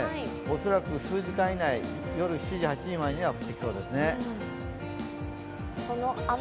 恐らく数時間以内、夜７時、８時までには降ってきそうですね。